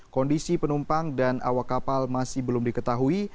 kondisi penumpang dan awak kapal masih belum diketahui